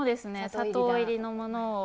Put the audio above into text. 砂糖入りのものを。